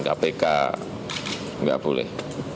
kpk enggak boleh